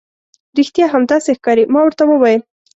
رښتیا هم، داسې ښکاري. ما ورته وویل.